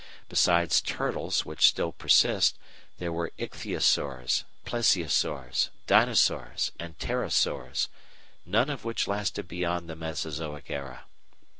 Besides Turtles which still persist, there were Ichthyosaurs, Plesiosaurs, Dinosaurs, and Pterosaurs, none of which lasted beyond the Mesozoic era.